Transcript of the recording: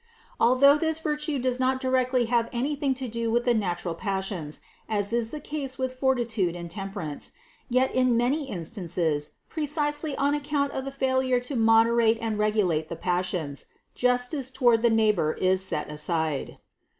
Although this virtue does not directly have anything to do with the natural passions, as is the case with forti tude and temperance, yet in many instances, precisely on account of the failure to moderate and regulate the pas sions, justice toward the neighbor is set aside.